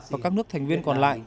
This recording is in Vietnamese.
và các nước thành viên còn lại